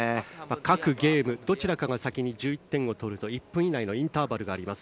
各ゲームどちらかが先に１１点を取ると１分以内のインターバルがあります。